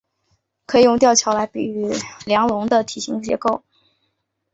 可以用吊桥来比喻梁龙的体型结构。